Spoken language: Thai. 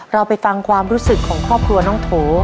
เราไปฟังความรู้สึกของครอบครัวน้องโถ